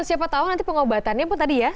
siapa tahu nanti pengobatannya pun tadi ya